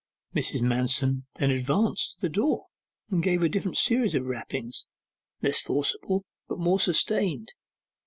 Mrs. Manston then advanced to the door and gave a different series of rappings less forcible, but more sustained.